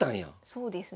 そうですね。